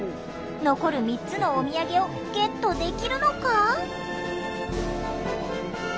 残る３つのおみやげをゲットできるのか？